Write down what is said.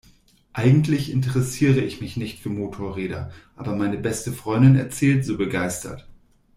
Eigentlich interessiere ich mich nicht für Motorräder, aber meine beste Freundin erzählt so begeistert.